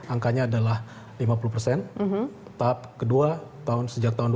angkanya adalah lima puluh tahap kedua tahun sejak tahun dua ribu enam belas